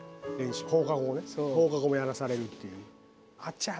放課後もやらされるっていう。